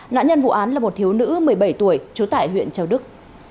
nạn nhân vụ án là một thiếu nữ một mươi bảy tuổi trú tại huyện châu đức